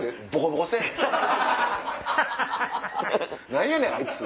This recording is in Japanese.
何やねん⁉あいつ！